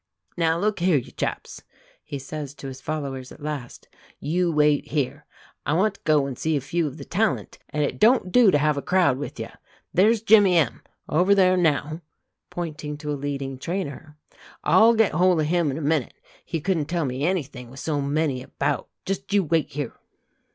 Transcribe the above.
"Now, look here, you chaps," he says to his followers at last. "You wait here. I want to go and see a few of the talent, and it don't do to have a crowd with you. There's Jimmy M over there now" (pointing to a leading trainer). "I'll get hold of him in a minute. He couldn't tell me anything with so many about. Just you wait here."